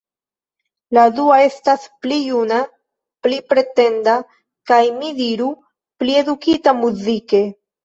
La dua estas pli juna, pli pretenda kaj, mi diru, pli edukita muzike.